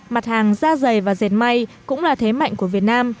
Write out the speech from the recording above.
mặt hàng da dày và dệt may cũng là thế mạnh của việt nam